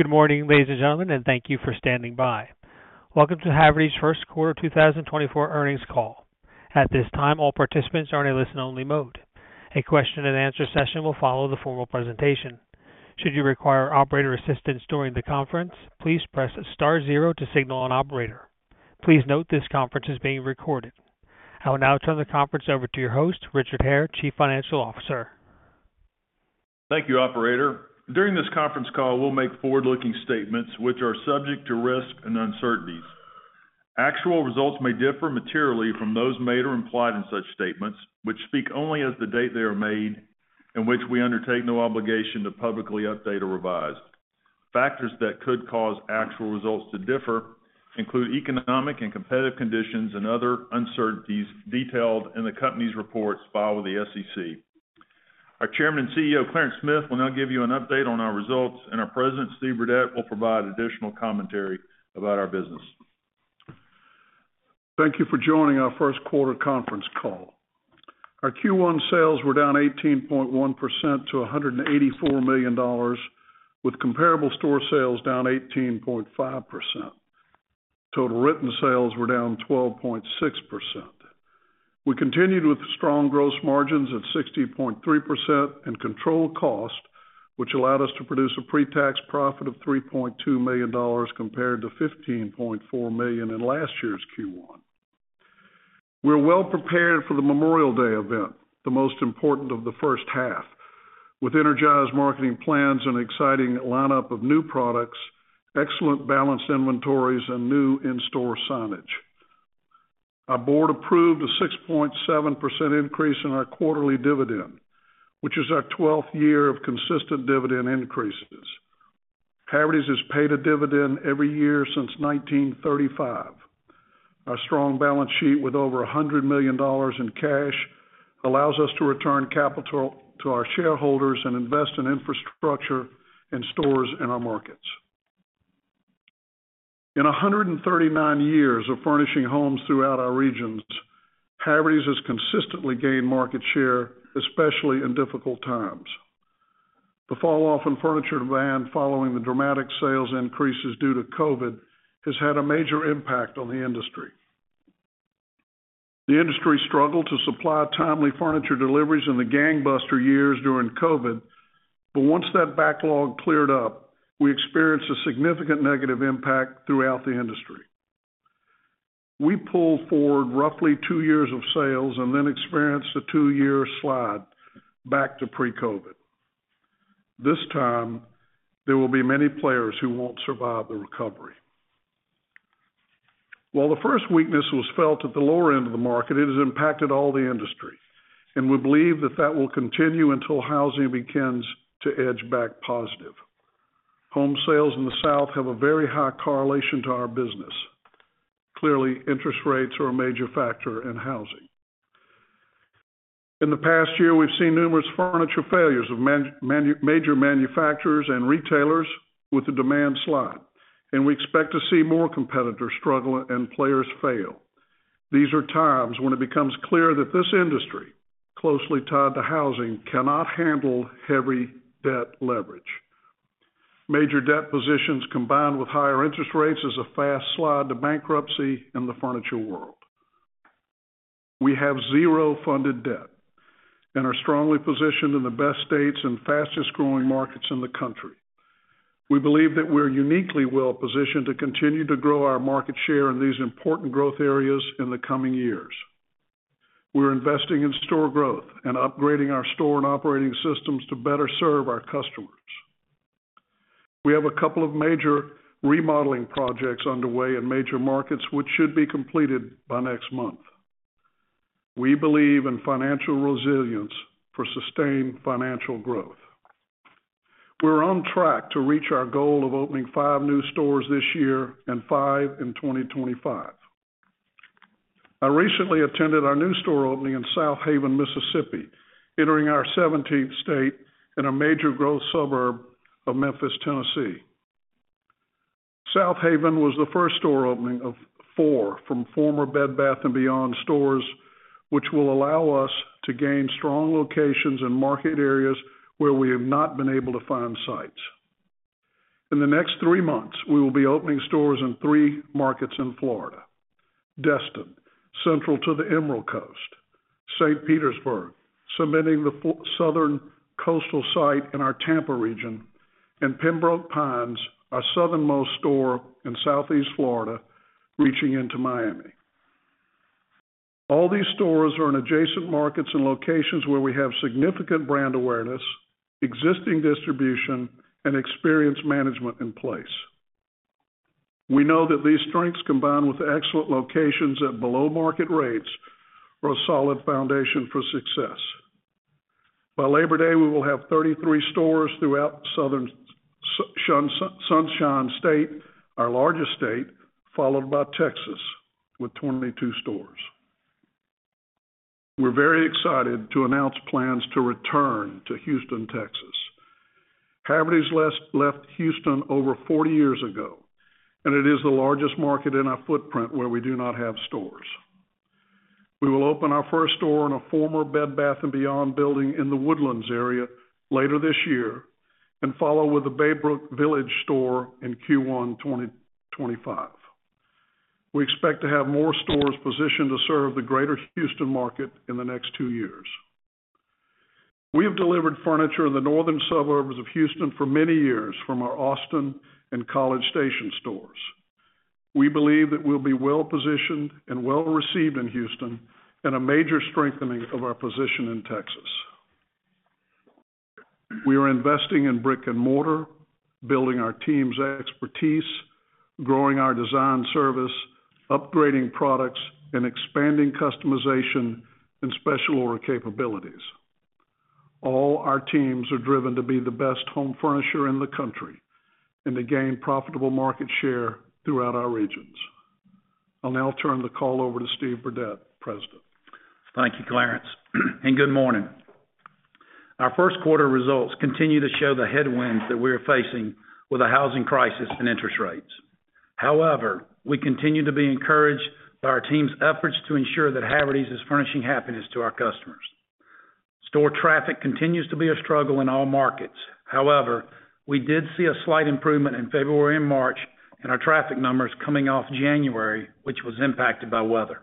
Good morning, ladies and gentlemen, and thank you for standing by. Welcome to Havertys' first quarter 2024 earnings call. At this time, all participants are in a listen-only mode. A question-and-answer session will follow the formal presentation. Should you require operator assistance during the conference, please press star zero to signal an operator. Please note this conference is being recorded. I will now turn the conference over to your host, Richard Hare, Chief Financial Officer. Thank you, operator. During this conference call, we'll make forward-looking statements which are subject to risk and uncertainties. Actual results may differ materially from those made or implied in such statements, which speak only as the date they are made and which we undertake no obligation to publicly update or revise. Factors that could cause actual results to differ include economic and competitive conditions and other uncertainties detailed in the company's reports filed with the SEC. Our Chairman and Chief Executive Officer, Clarence Smith, will now give you an update on our results, and our President, Steve Burdette, will provide additional commentary about our business. Thank you for joining our first quarter conference call. Our Q1 sales were down 18.1% to $184 million, with comparable store sales down 18.5%. Total written sales were down 12.6%. We continued with strong gross margins of 60.3% and controlled cost, which allowed us to produce a pre-tax profit of $3.2 million compared to $15.4 million in last year's Q1. We're well prepared for the Memorial Day event, the most important of the first half, with energized marketing plans and exciting lineup of new products, excellent balanced inventories, and new in-store signage. Our board approved a 6.7% increase in our quarterly dividend, which is our 12th year of consistent dividend increases. Havertys has paid a dividend every year since 1935. Our strong balance sheet, with over $100 million in cash, allows us to return capital to our shareholders and invest in infrastructure and stores in our markets. In 139 years of furnishing homes throughout our regions, Havertys has consistently gained market share, especially in difficult times. The falloff in furniture demand, following the dramatic sales increases due to COVID, has had a major impact on the industry. The industry struggled to supply timely furniture deliveries in the gangbuster years during COVID, but once that backlog cleared up, we experienced a significant negative impact throughout the industry. We pulled forward roughly two years of sales and then experienced a two-year slide back to pre-COVID. This time, there will be many players who won't survive the recovery. While the first weakness was felt at the lower end of the market, it has impacted all the industry, and we believe that that will continue until housing begins to edge back positive. Home sales in the South have a very high correlation to our business. Clearly, interest rates are a major factor in housing. In the past year, we've seen numerous furniture failures of major manufacturers and retailers with the demand slide, and we expect to see more competitors struggle and players fail. These are times when it becomes clear that this industry, closely tied to housing, cannot handle heavy debt leverage. Major debt positions, combined with higher interest rates, is a fast slide to bankruptcy in the furniture world. We have zero funded debt and are strongly positioned in the best states and fastest-growing markets in the country. We believe that we're uniquely well positioned to continue to grow our market share in these important growth areas in the coming years. We're investing in store growth and upgrading our store and operating systems to better serve our customers. We have a couple of major remodeling projects underway in major markets, which should be completed by next month. We believe in financial resilience for sustained financial growth. We're on track to reach our goal of opening five new stores this year and five in 2025. I recently attended our new store opening in Southaven, Mississippi, entering our seventeenth state in a major growth suburb of Memphis, Tennessee. Southaven was the first store opening of four from former Bed Bath & Beyond stores, which will allow us to gain strong locations and market areas where we have not been able to find sites. In the next three months, we will be opening stores in three markets in Florida: Destin, central to the Emerald Coast, St. Petersburg, cementing the southern coastal site in our Tampa region, and Pembroke Pines, our southernmost store in Southeast Florida, reaching into Miami. All these stores are in adjacent markets and locations where we have significant brand awareness, existing distribution, and experienced management in place. We know that these strengths, combined with excellent locations at below-market rates, are a solid foundation for success. By Labor Day, we will have 33 stores throughout southern Sunshine State, our largest state, followed by Texas, with 22 stores. We're very excited to announce plans to return to Houston, Texas. Havertys left Houston over 40 years ago, and it is the largest market in our footprint where we do not have stores. We will open our first store in a former Bed Bath & Beyond building in The Woodlands area later this year, and follow with a Baybrook Village store in Q1 2025. We expect to have more stores positioned to serve the greater Houston market in the next two years. We have delivered furniture in the northern suburbs of Houston for many years from our Austin and College Station stores. We believe that we'll be well-positioned and well-received in Houston, and a major strengthening of our position in Texas. We are investing in brick-and-mortar, building our team's expertise, growing our design service, upgrading products, and expanding customization and special order capabilities. All our teams are driven to be the best home furnisher in the country, and to gain profitable market share throughout our regions. I'll now turn the call over to Steven Burdette, President. Thank you, Clarence, and good morning. Our first quarter results continue to show the headwinds that we are facing with the housing crisis and interest rates. However, we continue to be encouraged by our team's efforts to ensure that Havertys is furnishing happiness to our customers. Store traffic continues to be a struggle in all markets. However, we did see a slight improvement in February and March in our traffic numbers coming off January, which was impacted by weather.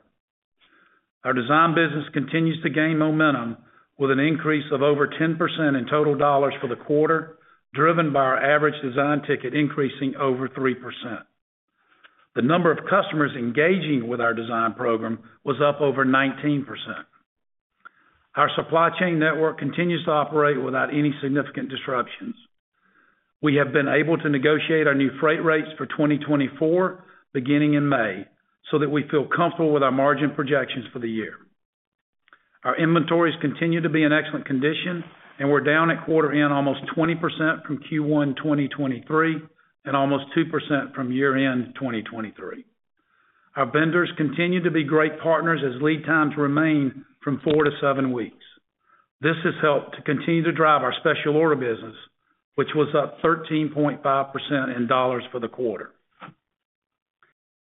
Our design business continues to gain momentum with an increase of over 10% in total dollars for the quarter, driven by our average design ticket increasing over 3%. The number of customers engaging with our design program was up over 19%. Our supply chain network continues to operate without any significant disruptions. We have been able to negotiate our new freight rates for 2024, beginning in May, so that we feel comfortable with our margin projections for the year. Our inventories continue to be in excellent condition, and we're down at quarter end, almost 20% from Q1 2023, and almost 2% from year-end 2023. Our vendors continue to be great partners as lead times remain four to seven weeks. This has helped to continue to drive our special order business, which was up 13.5% in dollars for the quarter.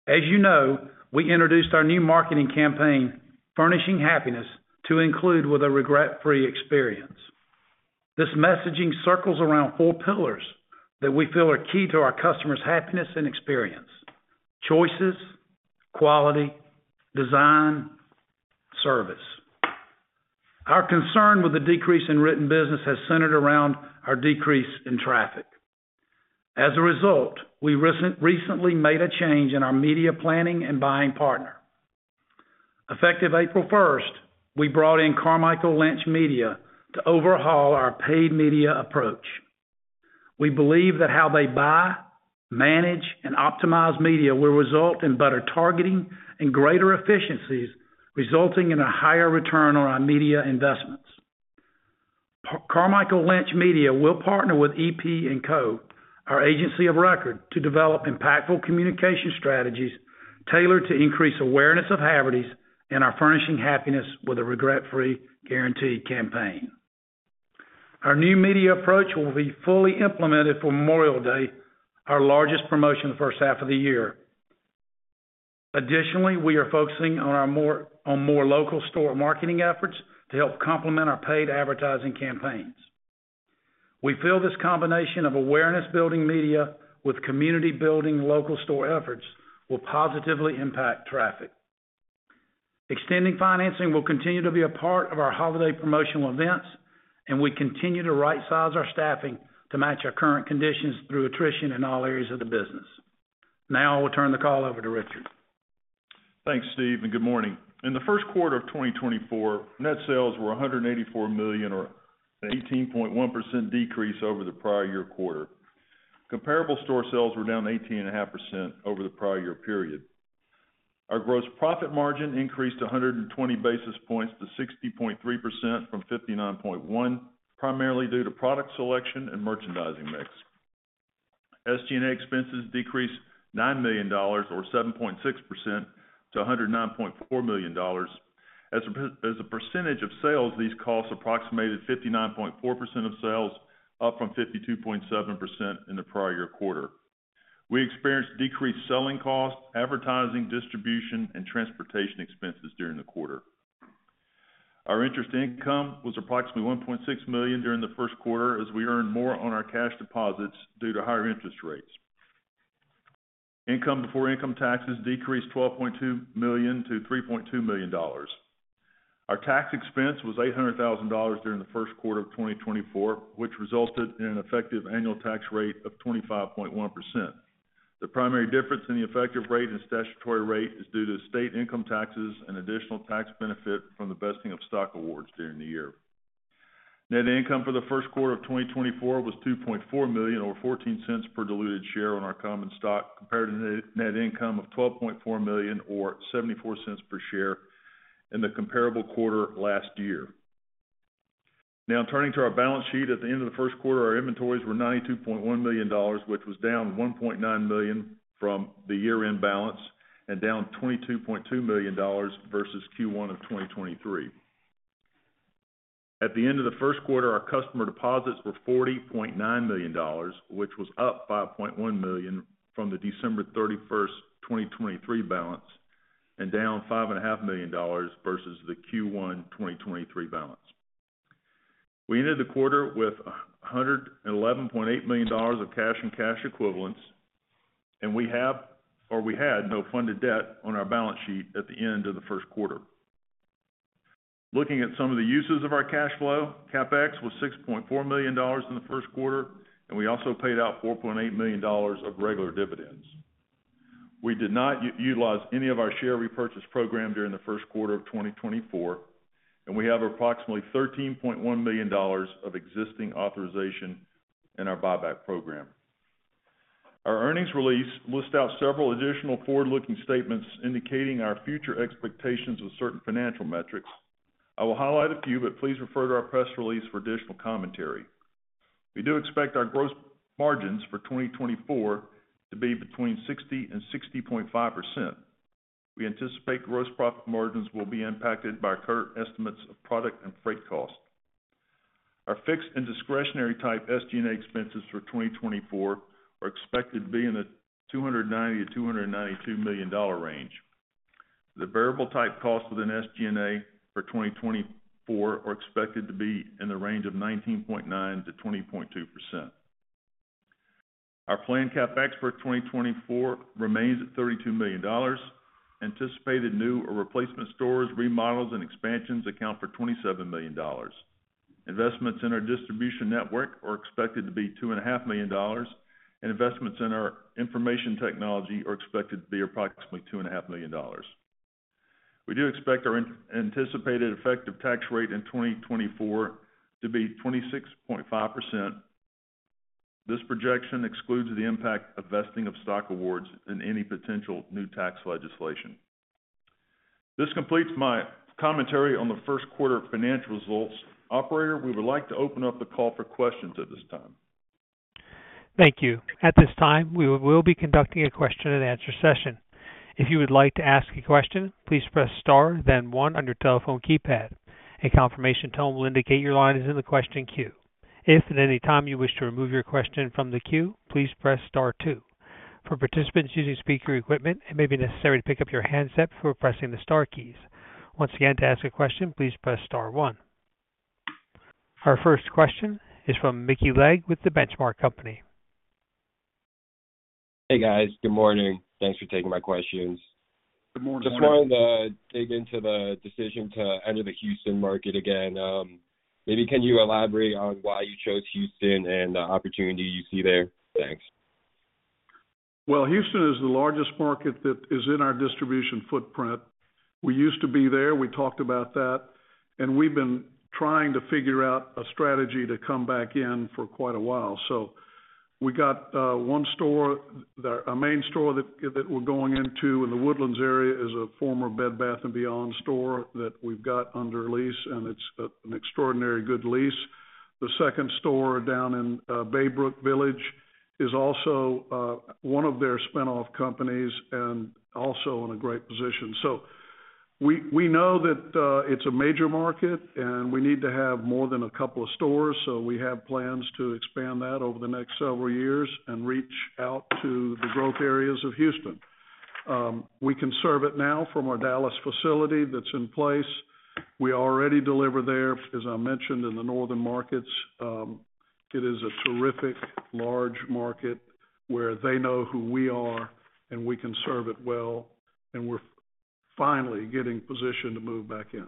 As you know, we introduced our new marketing campaign, Furnishing Happiness, to include with a regret-free experience. This messaging circles around four pillars that we feel are key to our customers' happiness and experience: choices, quality, design, service. Our concern with the decrease in written business has centered around our decrease in traffic. As a result, we recently made a change in our media planning and buying partner. Effective April first, we brought in Carmichael Lynch Media to overhaul our paid media approach. We believe that how they buy, manage, and optimize media will result in better targeting and greater efficiencies, resulting in a higher return on our media investments. Carmichael Lynch Media will partner with EP+Co, our agency of record, to develop impactful communication strategies tailored to increase awareness of Havertys and our Furnishing Happiness with a Regret-Free Guarantee campaign. Our new media approach will be fully implemented for Memorial Day, our largest promotion the first half of the year. Additionally, we are focusing on more local store marketing efforts to help complement our paid advertising campaigns. We feel this combination of awareness-building media with community-building local store efforts will positively impact traffic. Extending financing will continue to be a part of our holiday promotional events, and we continue to rightsize our staffing to match our current conditions through attrition in all areas of the business. Now I will turn the call over to Richard. Thanks, Steve, and good morning. In the first quarter of 2024, net sales were $184 million, or an 18.1% decrease over the prior year quarter. Comparable store sales were down 18.5% over the prior year period. Our gross profit margin increased 120 basis points to 60.3% from 59.1%, primarily due to product selection and merchandising mix. SG&A expenses decreased $9 million, or 7.6%, to $109.4 million. As a percentage of sales, these costs approximated 59.4% of sales, up from 52.7% in the prior year quarter. We experienced decreased selling costs, advertising, distribution, and transportation expenses during the quarter. Our interest income was approximately $1.6 million during the first quarter, as we earned more on our cash deposits due to higher interest rates. Income before income taxes decreased $12.2 million to $3.2 million. Our tax expense was $800,000 during the first quarter of 2024, which resulted in an effective annual tax rate of 25.1%. The primary difference in the effective rate and statutory rate is due to state income taxes and additional tax benefit from the vesting of stock awards during the year. Net income for the first quarter of 2024 was $2.4 million, or $0.14 per diluted share on our common stock, compared to the net income of $12.4 million, or $0.74 per share in the comparable quarter last year. Now, turning to our balance sheet. At the end of the first quarter, our inventories were $92.1 million, which was down $1.9 million from the year-end balance and down $22.2 million versus Q1 of 2023. At the end of the first quarter, our customer deposits were $40.9 million, which was up $5.1 million from the December 31, 2023 balance, and down $5.5 million versus the Q1 2023 balance. We ended the quarter with $111.8 million of cash and cash equivalents, and we have or we had no funded debt on our balance sheet at the end of the first quarter. Looking at some of the uses of our cash flow, CapEx was $6.4 million in the first quarter, and we also paid out $4.8 million of regular dividends. We did not utilize any of our share repurchase program during the first quarter of 2024, and we have approximately $13.1 million of existing authorization in our buyback program. Our earnings release list out several additional forward-looking statements indicating our future expectations of certain financial metrics. I will highlight a few, but please refer to our press release for additional commentary. We do expect our gross margins for 2024 to be between 60% and 60.5%. We anticipate gross profit margins will be impacted by current estimates of product and freight costs. Our fixed and discretionary type SG&A expenses for 2024 are expected to be in the $290 million-$292 million range. The variable type costs within SG&A for 2024 are expected to be in the range of 19.9%-20.2%. Our planned CapEx for 2024 remains at $32 million. Anticipated new or replacement stores, remodels, and expansions account for $27 million. Investments in our distribution network are expected to be $2.5 million, and investments in our information technology are expected to be approximately $2.5 million. We do expect our unanticipated effective tax rate in 2024 to be 26.5%. This projection excludes the impact of vesting of stock awards and any potential new tax legislation. This completes my commentary on the first quarter financial results. Operator, we would like to open up the call for questions at this time. Thank you. At this time, we will be conducting a question-and-answer session. If you would like to ask a question, please press star, then one on your telephone keypad. A confirmation tone will indicate your line is in the question queue. If at any time you wish to remove your question from the queue, please press star two. For participants using speaker equipment, it may be necessary to pick up your handset for pressing the star keys. Once again, to ask a question, please press star one. Our first question is from Michael Legg with The Benchmark Company. Hey, guys. Good morning. Thanks for taking my questions. Good morning. Just wanted to dig into the decision to enter the Houston market again. Maybe can you elaborate on why you chose Houston and the opportunity you see there? Thanks. Well, Houston is the largest market that is in our distribution footprint. We used to be there, we talked about that, and we've been trying to figure out a strategy to come back in for quite a while. So we got, one store, our main store that we're going into in The Woodlands area is a former Bed Bath & Beyond store that we've got under lease, and it's, an extraordinarily good lease. The second store down in, Baybrook Village is also, one of their spin-off companies and also in a great position. So we know that, it's a major market, and we need to have more than a couple of stores, so we have plans to expand that over the next several years and reach out to the growth areas of Houston. We can serve it now from our Dallas facility that's in place. We already deliver there, as I mentioned, in the northern markets. It is a terrific, large market where they know who we are, and we can serve it well, and we're finally getting positioned to move back in.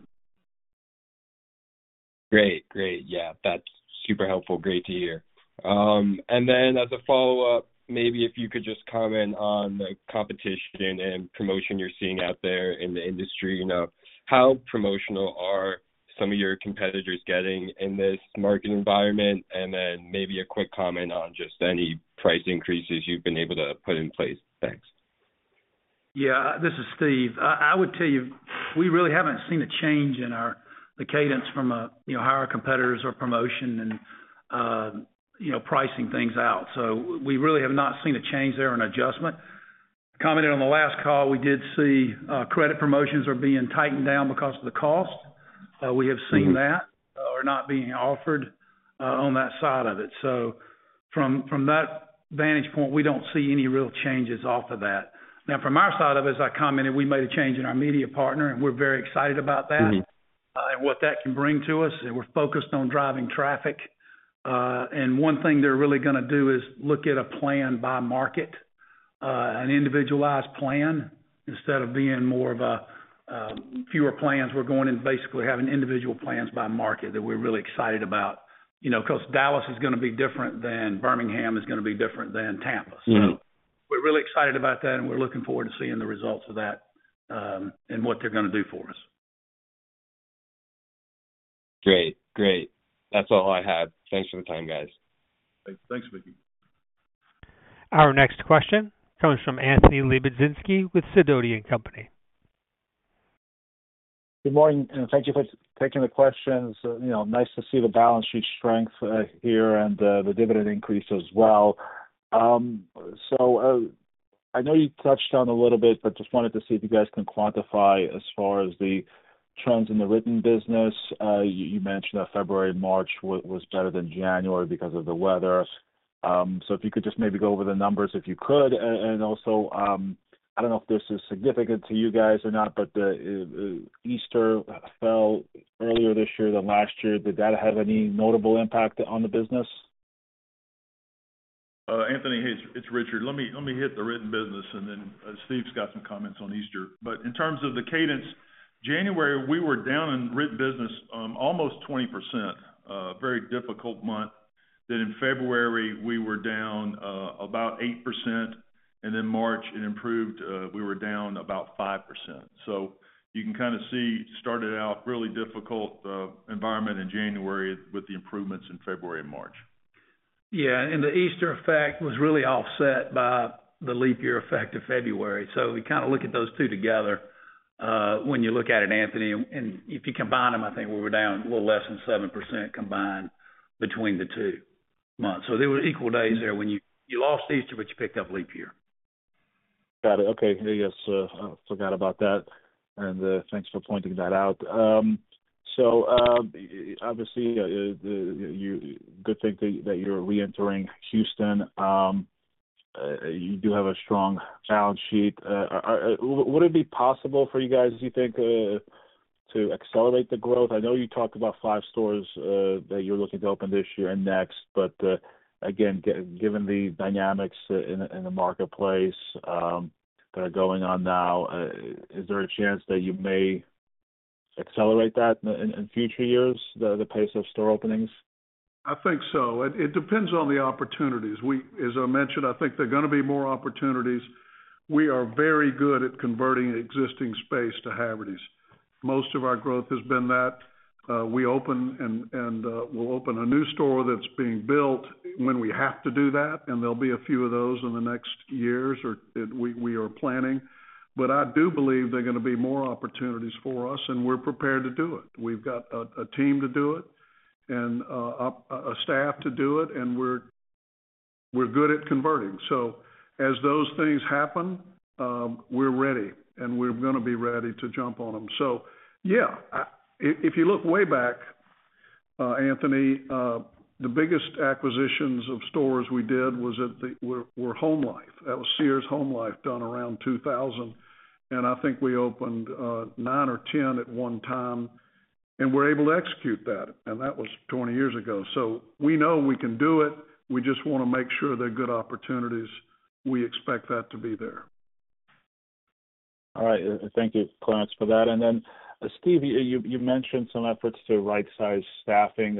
Great. Great. Yeah, that's super helpful. Great to hear. And then as a follow-up, maybe if you could just comment on the competition and promotion you're seeing out there in the industry. You know, how promotional are some of your competitors getting in this market environment? And then maybe a quick comment on just any price increases you've been able to put in place. Thanks. Yeah, this is Steve. I would tell you, we really haven't seen a change in our, the cadence from, you know, how our competitors or promotion and, you know, pricing things out. So we really have not seen a change there or an adjustment. Commented on the last call, we did see, credit promotions are being tightened down because of the cost. We have seen that are not being offered, on that side of it. So from that vantage point, we don't see any real changes off of that. Now, from our side of it, as I commented, we made a change in our media partner, and we're very excited about that- Mm-hmm. and what that can bring to us, and we're focused on driving traffic. And one thing they're really gonna do is look at a plan by market, an individualized plan. Instead of being more of a, fewer plans, we're going in basically having individual plans by market that we're really excited about. You know, because Dallas is gonna be different than Birmingham, is gonna be different than Tampa. Mm-hmm. So we're really excited about that, and we're looking forward to seeing the results of that, and what they're gonna do for us. Great. Great. That's all I had. Thanks for the time, guys. Thanks, Michael. Our next question comes from Anthony Lebiedzinski with Sidoti & Company. Good morning, and thank you for taking the questions. You know, nice to see the balance sheet strength here and the dividend increase as well. I know you touched on a little bit, but just wanted to see if you guys can quantify as far as the trends in the written business. You mentioned that February and March was better than January because of the weather. If you could just maybe go over the numbers, if you could. I don't know if this is significant to you guys or not, but Easter fell earlier this year than last year. Did that have any notable impact on the business? Anthony, hey, it's Richard. Let me hit the written business, and then Steve's got some comments on Easter. But in terms of the cadence, January, we were down in written business almost 20%, very difficult month. Then in February, we were down about 8%, and then March, it improved, we were down about 5%. So you can kind of see, started out really difficult environment in January with the improvements in February and March. Yeah, and the Easter effect was really offset by the leap year effect of February. So we kind of look at those two together, when you look at it, Anthony, and if you combine them, I think we were down a little less than 7% combined between the two months. So they were equal days there when you, you lost Easter, but you picked up leap year. Got it. Okay, yes, I forgot about that, and thanks for pointing that out. So, obviously, you, good thing that you're reentering Houston. You do have a strong balance sheet. Would it be possible for you guys, do you think, to accelerate the growth? I know you talked about five stores that you're looking to open this year and next, but again, given the dynamics in the marketplace that are going on now, is there a chance that you may accelerate that in future years, the pace of store openings? I think so. It depends on the opportunities. We, as I mentioned, I think there are gonna be more opportunities. We are very good at converting existing space to Havertys. Most of our growth has been that. We open and we'll open a new store that's being built when we have to do that, and there'll be a few of those in the next years, or we are planning. But I do believe there are gonna be more opportunities for us, and we're prepared to do it. We've got a team to do it and a staff to do it, and we're good at converting. So as those things happen, we're ready, and we're gonna be ready to jump on them. So, yeah, if you look way back, Anthony, the biggest acquisitions of stores we did were HomeLife. That was Sears HomeLife, done around 2000, and I think we opened nine or 10 at one time, and we were able to execute that, and that was 20 years ago. So we know we can do it. We just wanna make sure they're good opportunities. We expect that to be there. All right. Thank you, Clarence, for that. And then, Steve, you mentioned some efforts to right-size staffing.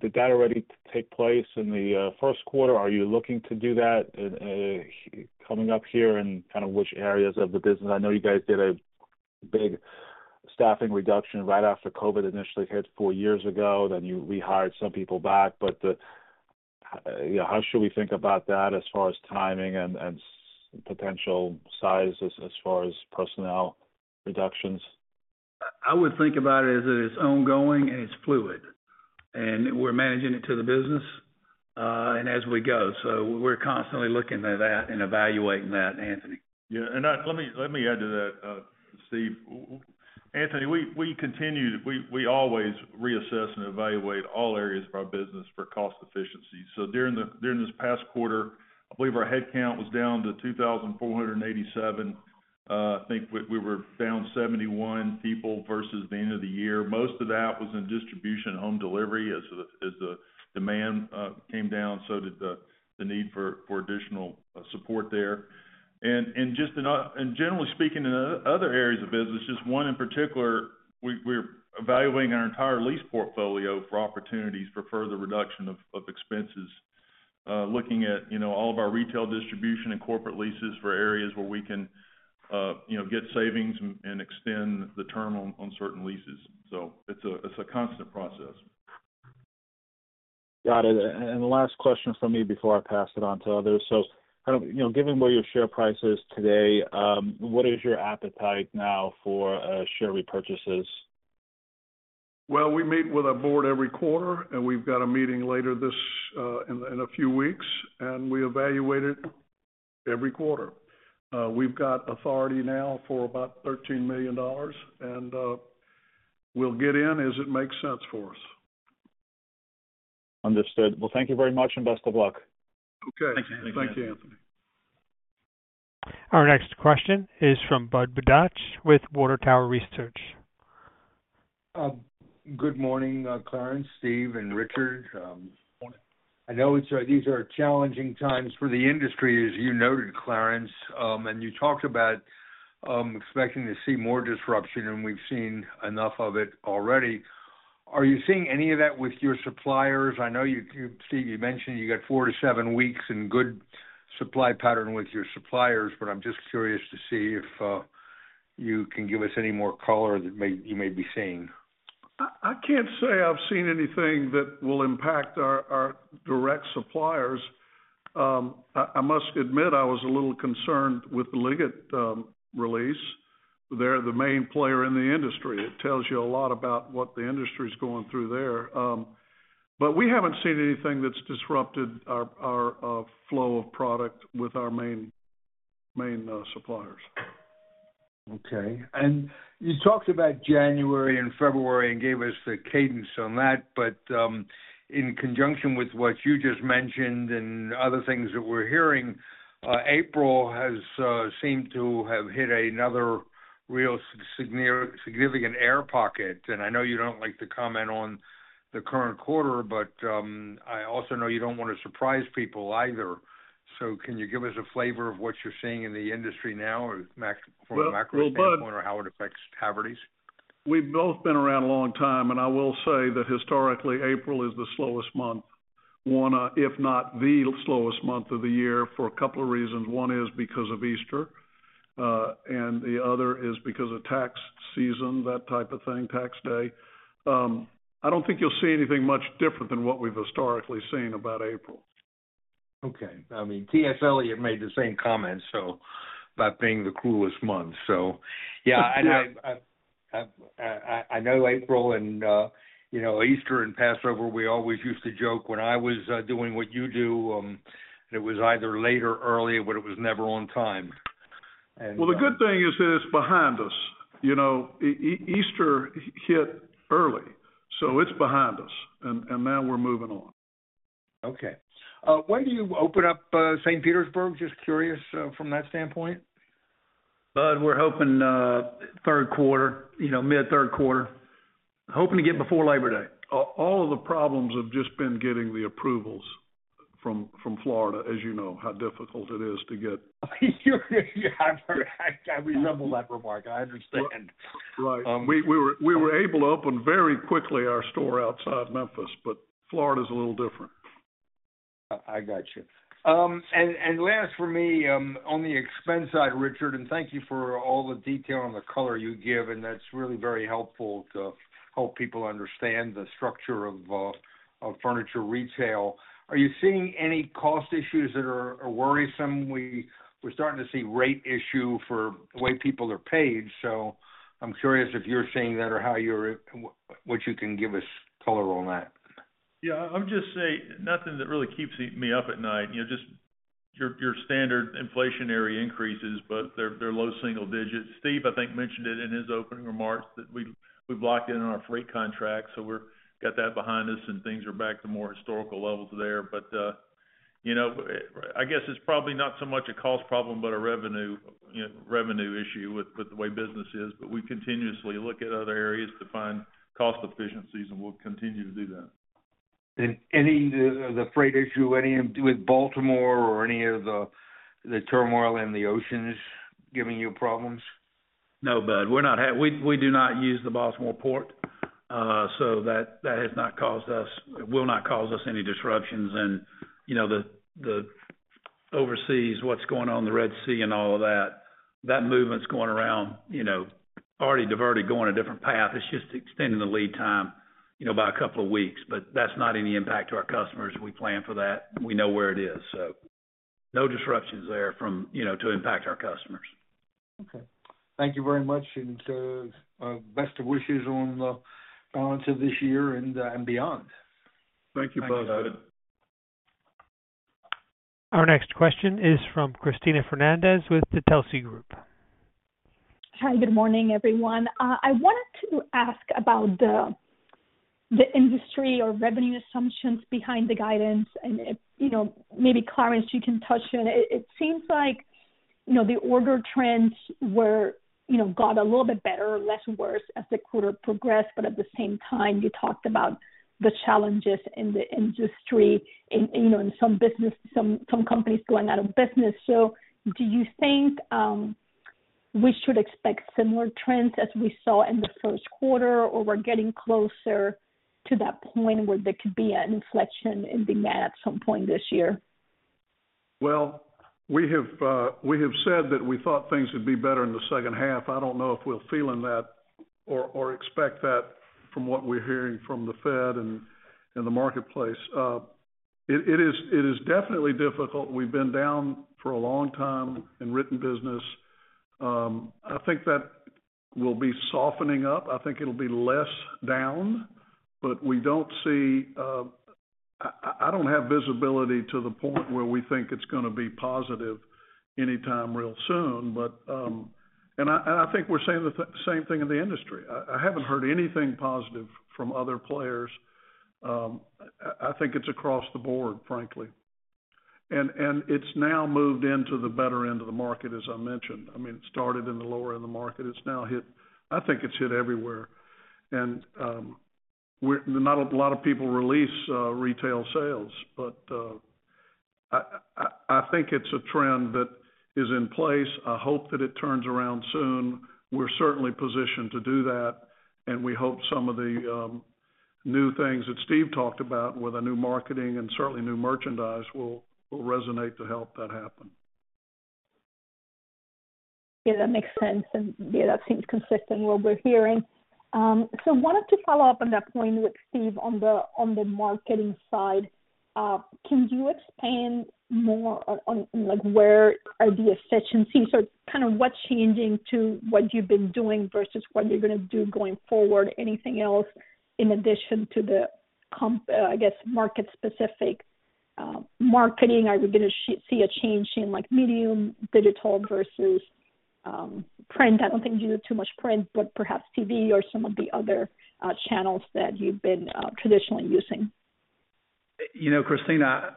Did that already take place in the first quarter? Are you looking to do that coming up here, and kind of which areas of the business? I know you guys did a big staffing reduction right after COVID initially hit four years ago, then you rehired some people back. But you know, how should we think about that as far as timing and potential size as far as personnel reductions? I would think about it as it is ongoing, and it's fluid, and we're managing it to the business, and as we go. So we're constantly looking at that and evaluating that, Anthony. Yeah, let me add to that, Steve. Anthony, we continue to. We always reassess and evaluate all areas of our business for cost efficiency. So during this past quarter, I believe our headcount was down to 2,487. I think we were down 71 people versus the end of the year. Most of that was in distribution and home delivery. As the demand came down, so did the need for additional support there. And generally speaking, in other areas of business, just one in particular, we're evaluating our entire lease portfolio for opportunities for further reduction of expenses. Looking at, you know, all of our retail distribution and corporate leases for areas where we can, you know, get savings and extend the term on certain leases. So it's a constant process. Got it. The last question from me before I pass it on to others. So, kind of, you know, given where your share price is today, what is your appetite now for share repurchases? Well, we meet with our board every quarter, and we've got a meeting later this in a few weeks, and we evaluate it every quarter. We've got authority now for about $13 million, and we'll get in as it makes sense for us. Understood. Well, thank you very much, and best of luck. Okay. Thanks, Anthony. Thank you, Anthony. Our next question is from Budd Bugatch with Water Tower Research. Good morning, Clarence, Steve, and Richard. Morning. I know it's these are challenging times for the industry, as you noted, Clarence. And you talked about expecting to see more disruption, and we've seen enough of it already. Are you seeing any of that with your suppliers? I know you, Steve, you mentioned you got four to seven weeks in good supply pattern with your suppliers, but I'm just curious to see if you can give us any more color that you may be seeing. I can't say I've seen anything that will impact our direct suppliers. I must admit, I was a little concerned with the Leggett release. They're the main player in the industry. It tells you a lot about what the industry is going through there. But we haven't seen anything that's disrupted our flow of product with our main suppliers. Okay. And you talked about January and February and gave us the cadence on that, but, in conjunction with what you just mentioned and other things that we're hearing, April has seemed to have hit another real significant air pocket. And I know you don't like to comment on the current quarter, but, I also know you don't wanna surprise people either. So can you give us a flavor of what you're seeing in the industry now or from a macro standpoint or how it affects Havertys? We've both been around a long time, and I will say that historically, April is the slowest month. One, if not the slowest month of the year for a couple of reasons. One is because of Easter, and the other is because of tax season, that type of thing, Tax Day. I don't think you'll see anything much different than what we've historically seen about April. Okay. I mean, Telsey have made the same comment, so about being the cruelest month. So yeah, and I know April and, you know, Easter and Passover, we always used to joke when I was doing what you do, it was either late or early, but it was never on time. And Well, the good thing is that it's behind us. You know, Easter hit early, so it's behind us, and now we're moving on. Okay. When do you open up St. Petersburg? Just curious, from that standpoint. Bud, we're hoping, third quarter, you know, mid-third quarter. Hoping to get before Labor Day. All of the problems have just been getting the approvals from Florida, as you know, how difficult it is to get. We remember that remark. I understand. Right. We were able to open very quickly our store outside Memphis, but Florida is a little different. I got you. And last for me, on the expense side, Richard, and thank you for all the detail and the color you give, and that's really very helpful to help people understand the structure of furniture retail. Are you seeing any cost issues that are worrisome? We're starting to see rate issue for the way people are paid, so I'm curious if you're seeing that or how you're... What you can give us color on that. Yeah, I'll just say nothing that really keeps me up at night. You know, just your standard inflationary increases, but they're low single digits. Steve, I think, mentioned it in his opening remarks that we, we've locked in on our freight contract, so we're got that behind us, and things are back to more historical levels there. But, you know, I guess it's probably not so much a cost problem, but a revenue, you know, revenue issue with the way business is. But we continuously look at other areas to find cost efficiencies, and we'll continue to do that. Any of the freight issue, any with Baltimore or any of the turmoil in the oceans giving you problems? No, Bud, we do not use the Baltimore Port, so that has not caused us—it will not cause us any disruptions. And, you know, the overseas, what's going on in the Red Sea and all of that, that movement's going around, you know, already diverted, going a different path. It's just extending the lead time, you know, by a couple of weeks. But that's not any impact to our customers. We plan for that, and we know where it is. So no disruptions there from, you know, to impact our customers. Okay. Thank you very much, and best of wishes on the balance of this year and beyond. Thank you, Bud. Thank you, Bud. Our next question is from Cristina Fernández with the Telsey Group. Hi, good morning, everyone. I wanted to ask about the industry or revenue assumptions behind the guidance, and if, you know, maybe, Clarence, you can touch on it. It seems like, you know, the order trends were, you know, got a little bit better, less worse, as the quarter progressed, but at the same time, you talked about the challenges in the industry and, you know, in some business, some companies going out of business. So do you think, we should expect similar trends as we saw in the first quarter, or we're getting closer to that point where there could be an inflection in demand at some point this year? Well, we have, we have said that we thought things would be better in the second half. I don't know if we're feeling that or expect that from what we're hearing from the Fed and the marketplace. It is definitely difficult. We've been down for a long time in written business. I think that will be softening up. I think it'll be less down, but we don't see, I don't have visibility to the point where we think it's gonna be positive anytime real soon. But, and I think we're saying the same thing in the industry. I haven't heard anything positive from other players. I think it's across the board, frankly. And it's now moved into the better end of the market, as I mentioned. I mean, it started in the lower end of the market. It's now hit... I think it's hit everywhere. And we're not a lot of people release retail sales, but I think it's a trend that is in place. I hope that it turns around soon. We're certainly positioned to do that, and we hope some of the new things that Steve talked about with a new marketing and certainly new merchandise will resonate to help that happen. Yeah, that makes sense. And yeah, that seems consistent with what we're hearing. So wanted to follow up on that point with Steve on the marketing side. Can you expand more on, like, where are the efficiencies? Or kind of what's changing to what you've been doing versus what you're gonna do going forward? Anything else in addition to the comp, I guess, market-specific marketing? Are we gonna see a change in, like, medium digital versus print? I don't think you do too much print, but perhaps TV or some of the other channels that you've been traditionally using. You know, Cristina,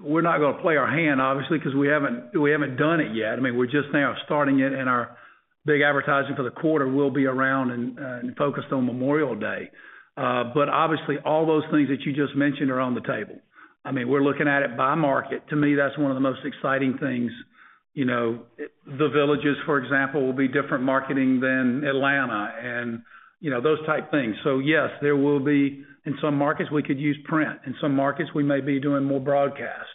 we're not gonna play our hand, obviously, because we haven't done it yet. I mean, we're just now starting it, and our big advertising for the quarter will be around and focused on Memorial Day. But obviously, all those things that you just mentioned are on the table. I mean, we're looking at it by market. To me, that's one of the most exciting things. You know, The Villages, for example, will be different marketing than Atlanta and, you know, those type things. So yes, there will be. In some markets, we could use print. In some markets, we may be doing more broadcast.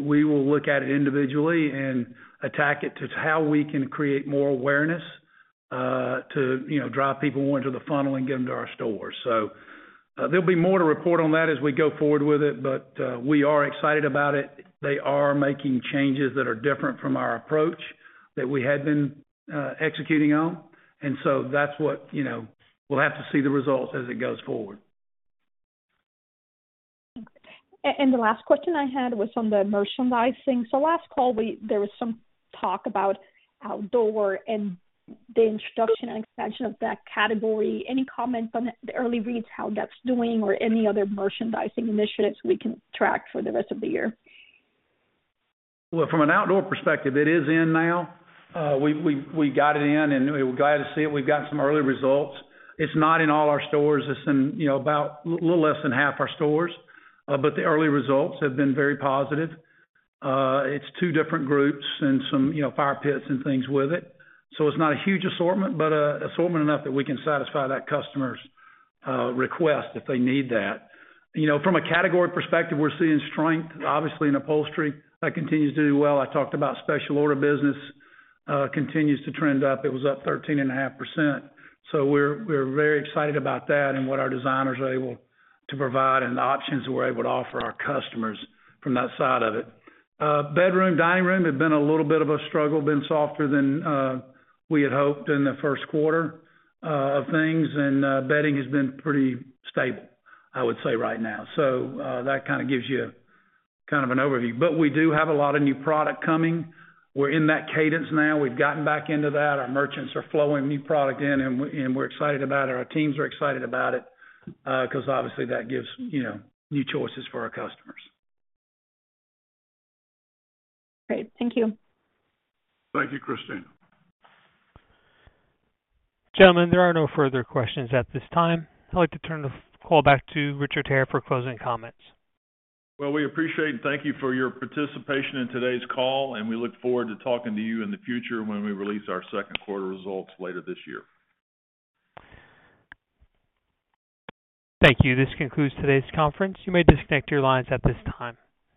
We will look at it individually and attack it to how we can create more awareness, to, you know, drive people into the funnel and get them to our stores. So, there'll be more to report on that as we go forward with it, but, we are excited about it. They are making changes that are different from our approach that we had been, executing on. And so that's what, you know, we'll have to see the results as it goes forward. The last question I had was on the merchandising. So last call, there was some talk about outdoor and the introduction and expansion of that category. Any comment from the early reads, how that's doing or any other merchandising initiatives we can track for the rest of the year? Well, from an outdoor perspective, it is in now. We got it in, and we're glad to see it. We've got some early results. It's not in all our stores. It's in, you know, about a little less than half our stores. But the early results have been very positive. It's two different groups and some, you know, fire pits and things with it. So it's not a huge assortment, but assortment enough that we can satisfy that customer's request if they need that. You know, from a category perspective, we're seeing strength, obviously, in upholstery. That continues to do well. I talked about special order business continues to trend up. It was up 13.5%. So we're very excited about that and what our designers are able to provide and the options we're able to offer our customers from that side of it. Bedroom, dining room have been a little bit of a struggle, been softer than we had hoped in the first quarter of things. And bedding has been pretty stable, I would say right now. So that kind of gives you kind of an overview. But we do have a lot of new product coming. We're in that cadence now. We've gotten back into that. Our merchants are flowing new product in, and we, and we're excited about it. Our teams are excited about it because obviously, that gives, you know, new choices for our customers. Great. Thank you. Thank you, Cristina. Gentlemen, there are no further questions at this time. I'd like to turn the call back to Richard Hare for closing comments. Well, we appreciate and thank you for your participation in today's call, and we look forward to talking to you in the future when we release our second quarter results later this year. Thank you. This concludes today's conference. You may disconnect your lines at this time.